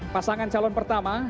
pasangan calon pertama